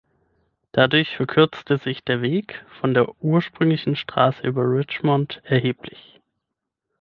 Dadurch verkürzte sich der Weg von der ursprünglichen Straße über Richmond erheblich